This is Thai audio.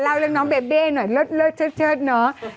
เล่าเรื่องน้องเบเบ้หน่อยเลิศเชิดเนาะ